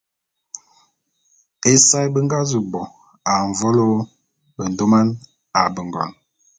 Ésae…be nga zu bo a mvolo bendôman a bengon.